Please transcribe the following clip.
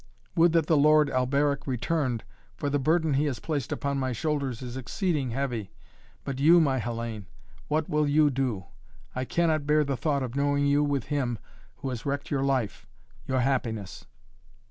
Would that the Lord Alberic returned, for the burden he has placed upon my shoulders is exceeding heavy. But you, my Hellayne, what will you do? I cannot bear the thought of knowing you with him who has wrecked your life, your happiness."